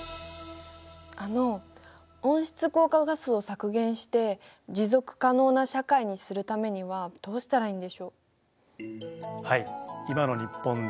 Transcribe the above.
あの温室効果ガスを削減して「持続可能な社会」にするためにはどうしたらいいんでしょう？